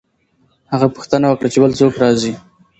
هغه پوښتنه وکړه چې بل څوک راځي؟